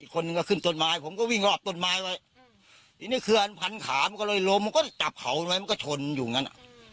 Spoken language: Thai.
คนขึ้นตนไม้ผมก็วิ่งลับตนไม้ไว้ที่นี่จะคือหันพันขามันก็ลุ่มมันก็ได้จับเขาไว้มันก็ชนอยู่งั้น